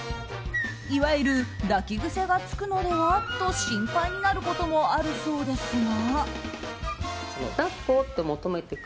いわゆる抱き癖がつくのではと心配になることもあるそうですが。